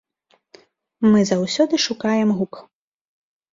Мы заўсёды шукаем гук.